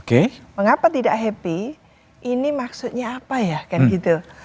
oke mengapa tidak happy ini maksudnya apa ya kan gitu